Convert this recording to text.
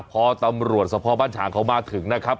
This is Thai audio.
พอตำรวจสภาพบ้านฉางเขามาถึงนะครับ